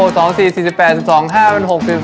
ผมจะลดให้คุณ๓จานครับ